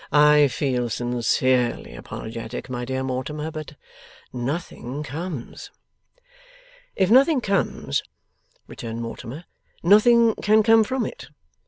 'I feel sincerely apologetic, my dear Mortimer, but nothing comes.' 'If nothing comes,' returned Mortimer, 'nothing can come from it.